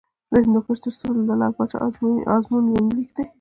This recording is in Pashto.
د هندوکش تر څنډو د لعل پاچا ازمون یونلیک دی